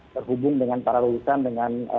terhubung dengan para lulusan dengan